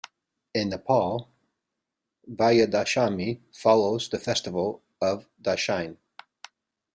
In Nepal, Vijayadashami follows the festival of Dashain.